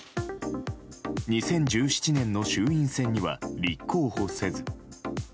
２０１７年の衆院選には立候補せず。